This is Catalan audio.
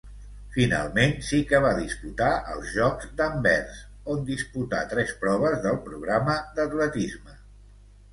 Finalment sí que va disputar els Jocs d'Anvers, on disputà tres proves del programa d'atletisme.